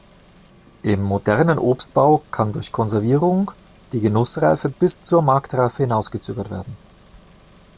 Im modernen Obstbau kann durch Konservierung die Genussreife bis zur Marktreife hinausgezögert werden.